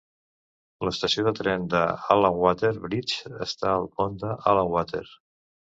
L'estació de tren d'Allanwater Bridge està al Pont Allanwater.